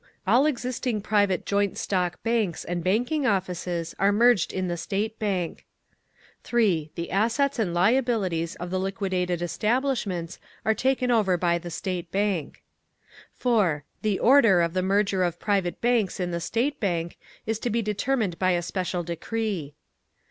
All existing private joint stock banks and banking offices are merged in the State Bank. 3. The assets and liabilities of the liquidated establishments are taken over by the State Bank. 4. The order of the merger of private banks in the State Bank is to be determined by a special decree.